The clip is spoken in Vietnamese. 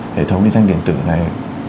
hệ thống điện tử này